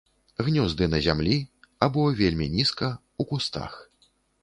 Гнёзды на зямлі або вельмі нізка, у кустах.